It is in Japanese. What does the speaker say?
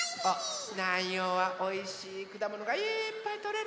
南陽はおいしいくだものがいっぱいとれるもんね。